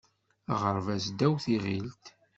Aɣerbaz ddaw tiɣilt.